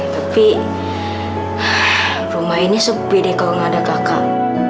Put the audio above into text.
tapi rumah ini sepi deh kalau nggak ada kakak